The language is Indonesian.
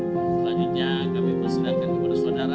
selanjutnya kami persilahkan kepada saudara